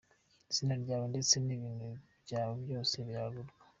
Izina ryawe ndetse n’ibintu byawe byose birarura .